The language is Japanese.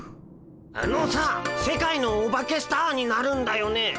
あのさ世界のオバケスターになるんだよね。